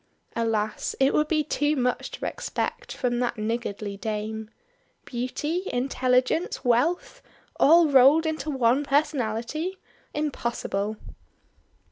Alas! it would be too much to expect from that niggardly Dame. Beauty, intelligence, wealth! All rolled into one personality. Impossible!